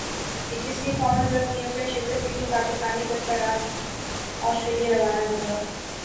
اکیسویں Commonwealth Games میں شرکت کے لئے پاکستانی دستہ رات سٹریلیا روانہ ہو گا